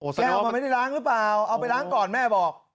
แก้วมันไม่ได้ล้างหรือเปล่าเอาไปล้างก่อนแม่บอก